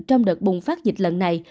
trong đợt bùng phát dịch lần này